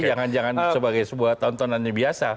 jangan jangan sebagai sebuah tontonan yang biasa